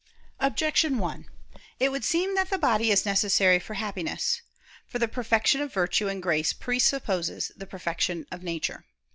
Objection 1: It would seem that the body is necessary for Happiness. For the perfection of virtue and grace presupposes the perfection of nature.